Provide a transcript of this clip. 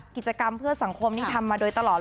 กิจกรรมเพื่อสังคมนี่ทำมาโดยตลอดเลย